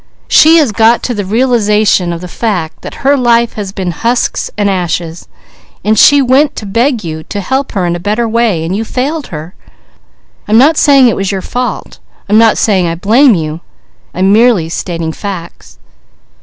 She had got to the realization of the fact that her life had been husks and ashes; so she went to beg you to help her to a better way, and you failed her. I'm not saying it was your fault; I'm not saying I blame you; I'm merely stating facts."